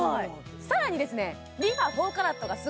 さらにですね何だ？